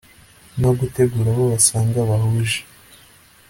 no gutegura abo basanga bahuje